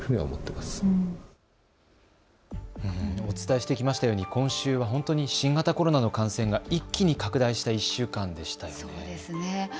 お伝えしてきましたように今週は本当に新型コロナの感染が一気に拡大した１週間でしたね。